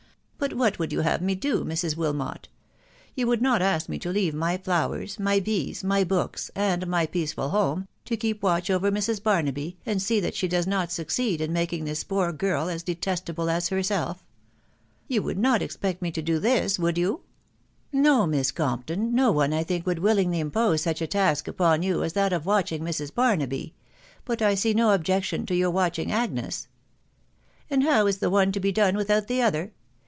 ..• But what would you have me do, Mrs. Wilmot ?.... You would not ask me to leave my flowers, my bees, my books, and my peaceful home, to keep watch over Mrs. Barnaby, and see that she does not succeed in making this poor girl as detestable as herself ^••.• You would not expect me to do this, would you ?"" No, Miss Compton ; no one, I think, would willingly im pose such a task upon you as that of watching Mrs. Barnaby. But I see no objection to your watching Agnes." " And how is the one to be done without the other